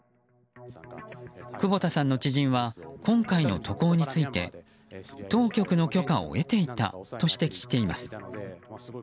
久保田さんの知人は今回の渡航について当局の許可を得ていたと指摘しています。